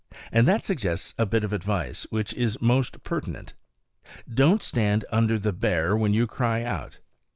And that suggests a bit of advice, which is most pertinent: don't stand under the bear when you cry out.